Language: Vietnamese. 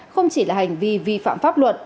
không chỉ là hành vi vi phạm pháp luật